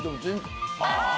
ああ！